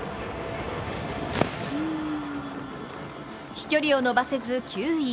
飛距離を伸ばせず９位。